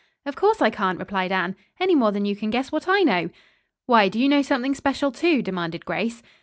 "Of course, I can't," replied Anne, "any more than you can guess what I know." "Why, do you know something special, too?" demanded Grace.